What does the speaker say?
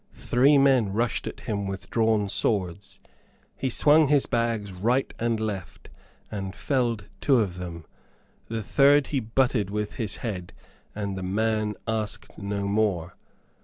Three men rushed at him with drawn swords. He swung his bags right and left and felled two of them. The third he butted with his head, and the man asked no more.